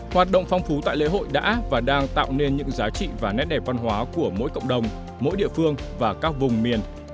hoạt động phong phú tại lễ hội đã và đang tạo nên những giá trị và nét đẹp văn hóa của mỗi cộng đồng mỗi địa phương và các vùng miền